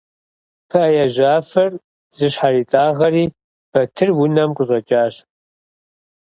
ПыӀэ яжьафэр зыщхьэритӀагъэри Батыр унэм къыщӀэкӀащ.